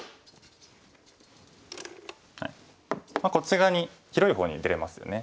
こっち側に広い方に出れますよね。